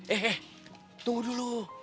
eh eh tunggu dulu